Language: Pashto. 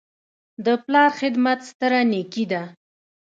د پلار خدمت ستره نیکي ده.